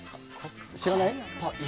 知らない？